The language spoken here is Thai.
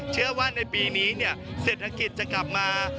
เชื่อว่าในปีนี้เศรษฐกิจจะกลับมา